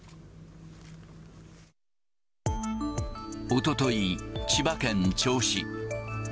おととい、千葉県銚子。